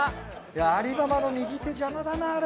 アリババの右手邪魔だなあれ。